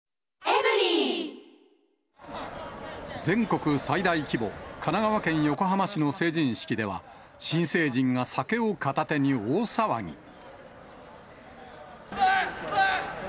全国最大規模、神奈川県横浜市の成人式では、新成人が酒を片手に大騒ぎ。